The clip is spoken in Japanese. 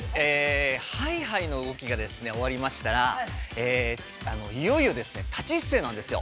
◆ハイハイの動きが終わりましたら、いよいよ、立ち姿勢なんですよ。